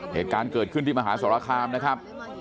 เหตุการณ์เกิดขึ้นที่มหาสรคามนะครับ